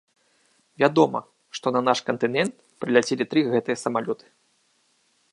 Вядома, што на наш кантынент прыляцелі тры гэтыя самалёты.